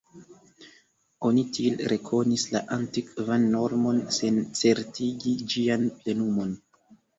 Oni tiel rekonis la antikvan normon, sen certigi ĝian plenumon.